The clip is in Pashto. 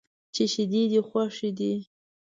چې شیدې دې خوښ دي.